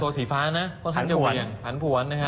สีฟ้านะค่อนข้างจะเหวี่ยงผันผวนนะฮะ